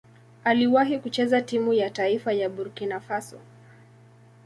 Aliwahi kucheza timu ya taifa ya Burkina Faso.